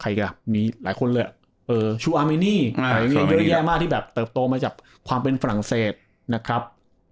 อีกอ่ะมีหลายคนเลยชูอามินีเยอะแยะมากที่แบบเติบโตมาจากความเป็นฝรั่งเศสนะครับ